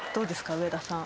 上田さん。